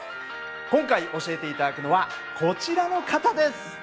今回教えて頂くのはこちらの方です。